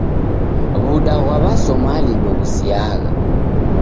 W'uda ghwa W'asomali ndoghusiagha.